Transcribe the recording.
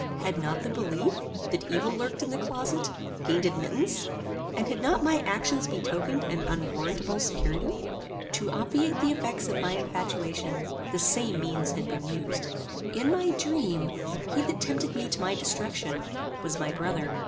Had not the belief, that evil lurked in the closet, gained admittance, and had not my actions betokened an unwarrantable security? To obviate the effects of my infatuation, the same means had been used. In my dream, he that tempted me to my destruction, was my brother.